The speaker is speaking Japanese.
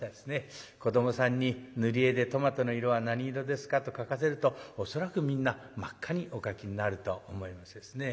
子どもさんに塗り絵で「トマトの色は何色ですか？」と描かせると恐らくみんな真っ赤にお描きになると思いますですね。